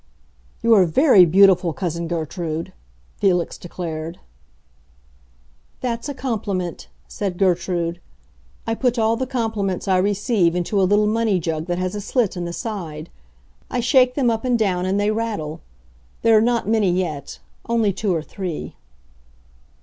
"You are very beautiful, cousin Gertrude," Felix declared. "That's a compliment," said Gertrude. "I put all the compliments I receive into a little money jug that has a slit in the side. I shake them up and down, and they rattle. There are not many yet—only two or three."